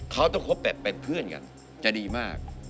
เขาต้องคบแบบเป็นเพื่อนกันจะดีมาก